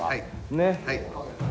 ねっ。